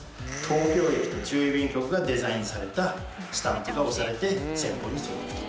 東京駅と中央郵便局がデザインされたスタンプが押されて先方に届く。